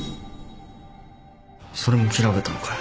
それも調べたのかよ。